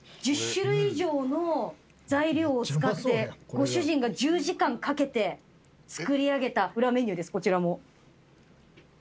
１０種類以上の材料を使ってご主人が１０時間かけて作り上げた裏メニューですこちらも。